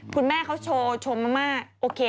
คุณแม่เค้าโชว์โชว์มะม่าโอเค